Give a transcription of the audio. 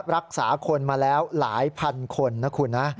รักษาคนมาแล้วหลายพันคนนะคุณนะ